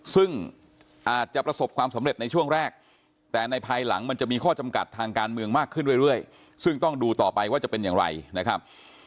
ซึ่งอาจจะประสบความสำเร็จในช่วงแรกแต่ในภายหลังมันจะมีข้อจำกัดทางการเมืองมากขึ้นเรื่อยซึ่งต้องดูต่อไปว่าจะเป็นอย่างไรนะครับ